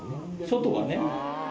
外はね。